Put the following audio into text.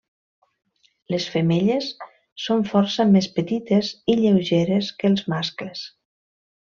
Les femelles són força més petites i lleugeres que els mascles.